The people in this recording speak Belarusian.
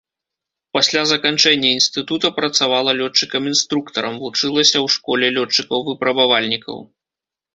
Пасля заканчэння інстытута працавала лётчыкам-інструктарам, вучылася ў школе лётчыкаў-выпрабавальнікаў.